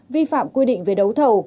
vi phạm quy định về đấu thầu